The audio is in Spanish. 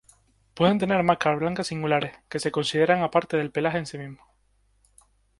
Pueden tener marcas blancas singulares, que se consideran aparte del pelaje en sí mismo.